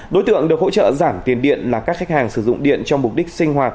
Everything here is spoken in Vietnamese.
đối tượng được hỗ trợ giảm tiền điện là các khách hàng sử dụng điện cho mục đích sinh hoạt